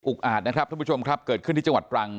อาจนะครับท่านผู้ชมครับเกิดขึ้นที่จังหวัดตรัง